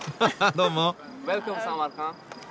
どうも。